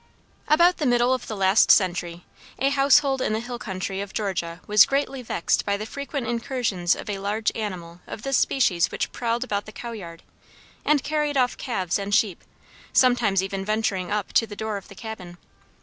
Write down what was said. About the middle of the last century, a household in the hill country of Georgia was greatly vexed by the frequent incursions of a large animal of this species which prowled about the cow yard, and carried off calves and sheep, sometimes even venturing up to the door of the cabin.